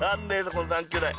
この３きょうだい。